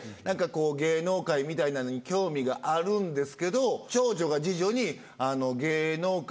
なんかこう芸能界みたいなのに興味があるんですけど長女が二女に。